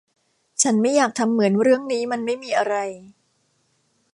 ฉันไม่อยากทำเหมือนเรื่องนี้มันไม่มีอะไร